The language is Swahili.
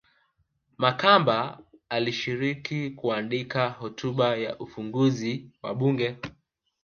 Makamba alishiriki kuandika hotuba ya ufunguzi wa bunge